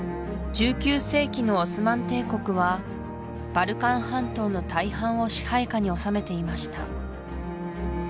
１９世紀のオスマン帝国はバルカン半島の大半を支配下に治めていました